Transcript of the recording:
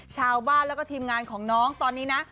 ชาวบ้านแล้วก็ทีมงานของน้องตอนนี้นะ